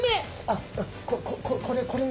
あっこれ